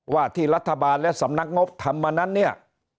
ว่าที่รัฐบาลและสำนักงบทำมานั้นเนี่ย